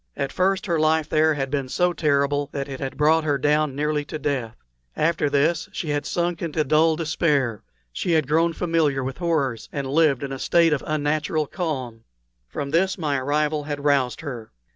At first her life here had been so terrible that it had brought her down nearly to death. After this she had sunk into dull despair; she had grown familiar with horrors and lived in a state of unnatural calm. From this my arrival had roused her.